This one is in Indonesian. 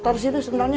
taruh sini sendalnya